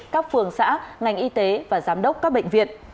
các phường xã ngành y tế và giám đốc các bệnh viện